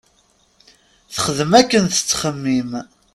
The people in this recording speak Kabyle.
Texdem akken tettxemim.